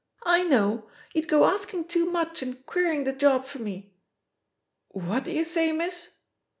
"I know; you'd go asking too much and queering the job for me." "What do you say, miss?"